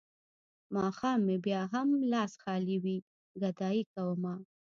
ماښام مې بيا هم لاس خالي وي ګدايي کومه.